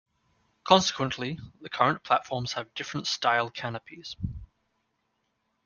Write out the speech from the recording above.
Consequently, the current platforms have different style canopies.